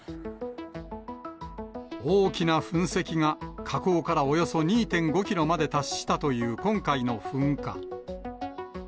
大きな噴石が、火口からおよそ２．５キロまで達したという今回の噴火。